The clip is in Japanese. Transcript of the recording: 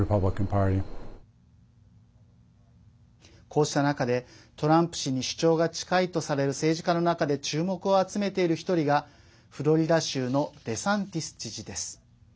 こうした中で、トランプ氏に主張が近いとされる政治家の中で注目を集めている１人がフロリダ州のデサンティス知事です。